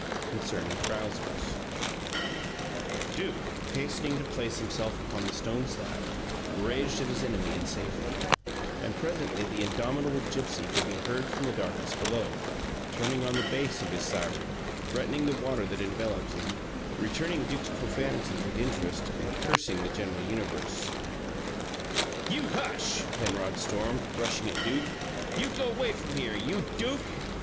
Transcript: CONCERNING TROUSERS Duke, hastening to place himself upon the stone slab, raged at his enemy in safety; and presently the indomitable Gipsy could be heard from the darkness below, turning on the bass of his siren, threatening the water that enveloped him, returning Duke's profanity with interest, and cursing the general universe. "You hush!" Penrod stormed, rushing at Duke. "You go 'way from here! You DUKE!"